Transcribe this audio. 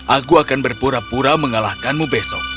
aku akan berpura pura mengalahkanmu besok